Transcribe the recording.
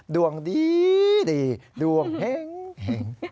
ดวงดีดีดวงเห็งเห็ง